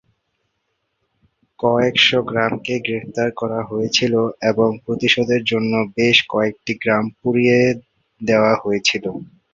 কয়েকশ গ্রামকে গ্রেপ্তার করা হয়েছিল এবং প্রতিশোধের জন্য বেশ কয়েকটি গ্রাম পুড়িয়ে দেওয়া হয়েছিল।